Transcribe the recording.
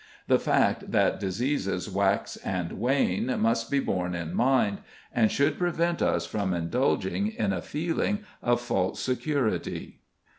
The fact that diseases wax and wane must be borne in mind, and should prevent us from indulging in a feeling of false security.